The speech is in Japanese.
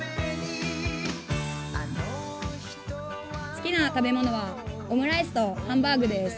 好きな食べ物は、オムライスとハンバーグです。